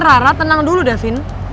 biarin rara tenang dulu davin